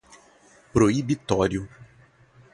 proibitório